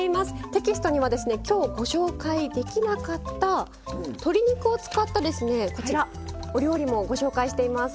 テキストには今日、ご紹介できなかった鶏肉を使ったお料理もご紹介しています。